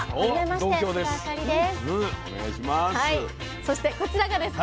そしてこちらがですね